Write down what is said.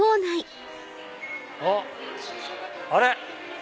あっあれ？